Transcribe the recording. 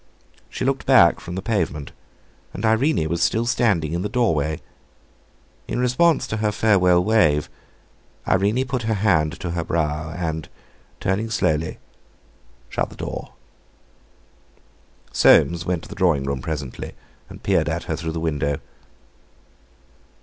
She looked back from the pavement, and Irene was still standing in the doorway. In response to her farewell wave, Irene put her hand to her brow, and, turning slowly, shut the door.... Soames went to the drawing room presently, and peered at her through the window.